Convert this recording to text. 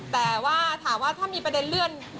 แต่ว่าถามว่าถ้ามีประเด็นเลื่อน